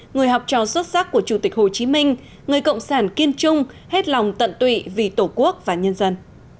người học trò xuất sắc của chủ tịch hồ chí minh người cộng sản kiên trung hết lòng tận tụy vì tổ quốc và nhân dân